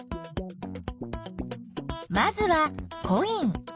まずはコイン。